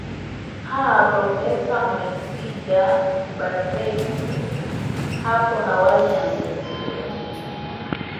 aa profesa mwesiga baregu hapo awali endelea